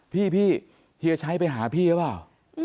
พี่เฮียชัยไปหาพี่หรือเปล่า